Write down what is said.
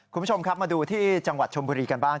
คุณผู้ชมครับมาดูที่จังหวัดชมบุรีกันบ้าง